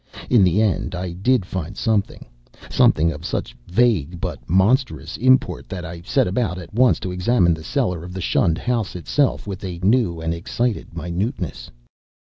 In the end I did find something; something of such vague but monstrous import that I set about at once to examine the cellar of the shunned house itself with a new and excited minuteness.